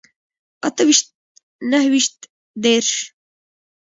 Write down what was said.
اته ويشت نهه ويشت دېرش